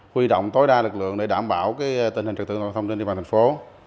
huy động tối đa lực lượng để đảm bảo tình hình trật tự an toàn giao thông trên địa bàn thành phố